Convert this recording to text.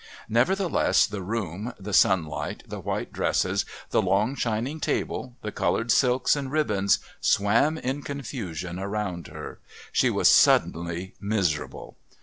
Nevertheless the room, the sunlight, the white dresses, the long shining table, the coloured silks and ribbons, swam in confusion around her. She was suddenly miserable.